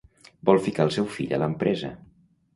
Vol ficar el seu fill a l'empresa.